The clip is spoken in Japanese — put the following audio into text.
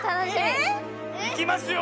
えぇ⁉いきますよ！